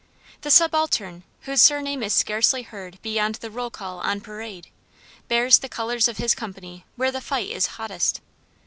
The subaltern whose surname is scarcely heard beyond the roll call on parade, bears the colors of his company where the fight is hottest.